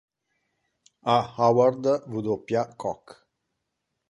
A Howard W. Koch